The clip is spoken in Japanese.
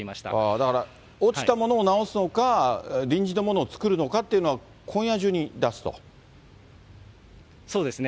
だから落ちたものを直すのか、臨時のものを作るのかっていうのそうですね。